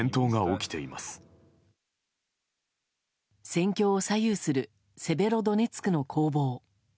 戦況を左右するセベロドネツクの攻防。